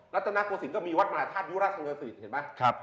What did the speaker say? รัตนาโกศิลป์ก็มีวัดมหาธาตุยุราชสำคัญสิทธิ์เห็นไหม